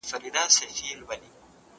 زه له پرون راهيسې کار کوم!.